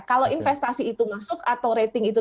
kalau investasi itu masuk atau rating itu